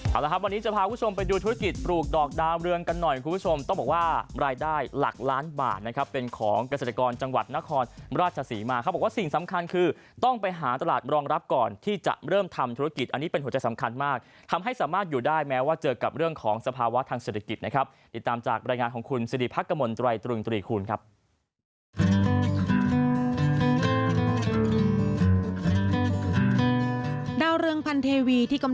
เอาละครับวันนี้จะพาคุณผู้ชมไปดูธุรกิจปลูกดอกดาวเรืองกันหน่อยคุณผู้ชมต้องบอกว่ารายได้หลักล้านบาทนะครับเป็นของเกษตรกรจังหวัดนครราชสีมาครับว่าสิ่งสำคัญคือต้องไปหาตลาดรองรับก่อนที่จะเริ่มทำธุรกิจอันนี้เป็นหัวใจสำคัญมากทำให้สามารถอยู่ได้แม้ว่าเจอกับเรื่องของสภาวะทางเศรษฐ